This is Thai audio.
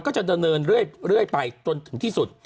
ก็จะดำเนินเรื่อยไปจนถึงที่สุด